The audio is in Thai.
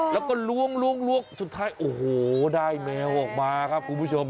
แล้วก็ล้วงสุดท้ายโอ้โหได้แมวออกมาครับคุณผู้ชม